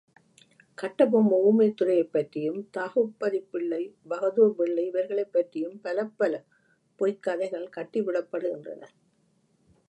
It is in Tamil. கட்டபொம்மு ஊமைத்துரையைப் பற்றியும் தாகுப்பதிப் பிள்ளை, பகதூர் வெள்ளை இவர்களைப் பற்றியும் பலப்பலப்பொய்க் கதைகள் கட்டிவிடப்படுகின்றன.